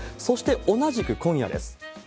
そして同じく今夜です。